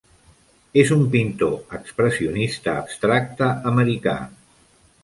És un pintor expressionista abstracte americà.